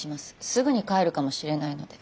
すぐに帰るかもしれないので。